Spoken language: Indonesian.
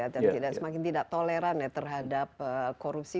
dan semakin tidak toleran terhadap korupsi